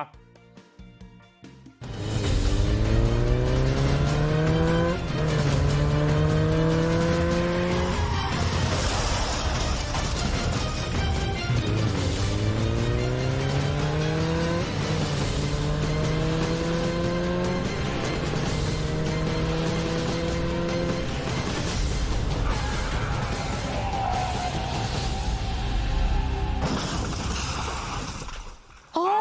ที่สุดท้าย